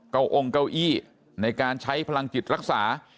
องค์เก้าอี้ในการใช้พลังจิตรักษา